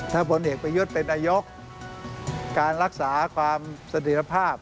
ถ้าพลเอกประยุทธ์เป็นนายกการรักษาความสถิรภาพ